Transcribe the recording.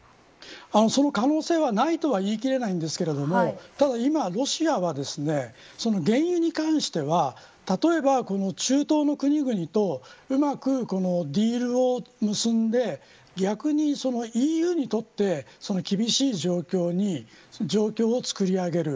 その可能性はないとは言い切れませんがただ、いまロシアは原油に関しては例えば中東の国々とうまくディールを結んで逆に、ＥＵにとって厳しい状況に状況を作り上げる。